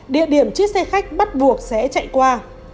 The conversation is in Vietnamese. địa điểm chiếc xe khách bắt buộc sẽ chạy qua